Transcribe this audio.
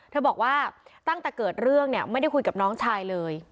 เธอบอกว่าตั้งแต่เกิดเรื่องเนี่ยไม่ได้คุยกับน้องชายเลย